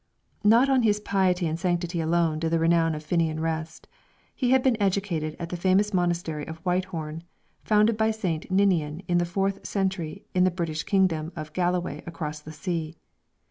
Not on his piety and sanctity alone did the renown of Finnian rest. He had been educated at the famous monastery of Whitehorn, founded by St. Ninian in the fourth century in the British kingdom of Galloway across the sea.